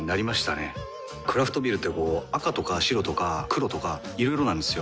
クラフトビールってこう赤とか白とか黒とかいろいろなんですよ。